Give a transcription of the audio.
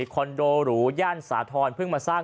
คอนโดหรูย่านสาธรณ์เพิ่งมาสร้าง